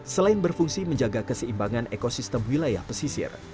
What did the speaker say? selain berfungsi menjaga keseimbangan ekosistem wilayah pesisir